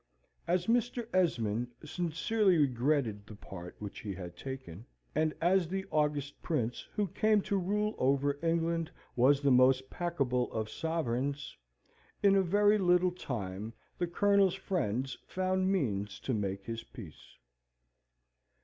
As Mr. Esmond sincerely regretted the part which he had taken, and as the august Prince who came to rule over England was the most pacable of sovereigns, in a very little time the Colonel's friends found means to make his peace.